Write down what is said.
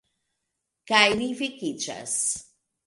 Kaj li vekiĝas.